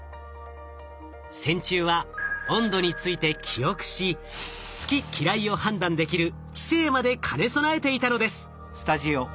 線虫は温度について記憶し「好き・嫌い」を判断できる知性まで兼ね備えていたのです。